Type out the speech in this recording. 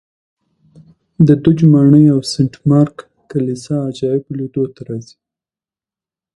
د دوج ماڼۍ او سنټ مارک کلیسا عجایبو لیدو ته راځي